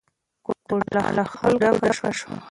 کوټه له خلکو ډکه شوه.